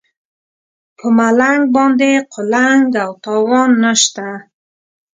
په ملنګ باندې قلنګ او تاوان نشته.